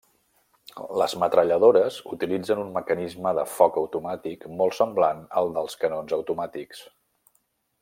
Les metralladores utilitzen un mecanisme de foc automàtic molt semblant als dels canons automàtics.